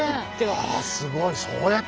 あすごい。